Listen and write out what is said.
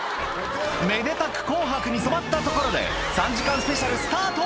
めでたく紅白に染まったところで３時間スペシャルスタート